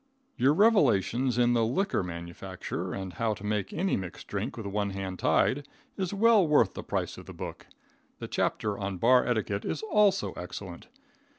Your revelations in the liquor manufacture, and how to make any mixed drink with one hand tied, is well worth the price of the book. The chapter on bar etiquette is also excellent.